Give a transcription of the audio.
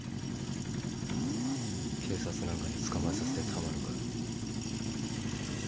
警察なんかに捕まえさせてたまるか。